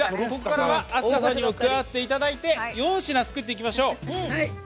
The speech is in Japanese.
ここからは明日香さんにも加わっていただいて４品作っていただきましょう。